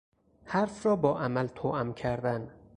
حرف را با عمل توام کردن